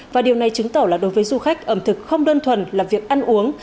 và điều này chứng tỏ là đối với du khách ẩm thực không đơn thuần là việc ăn uống